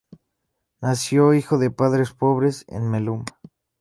Nació, hijo de padres pobres, en Melun.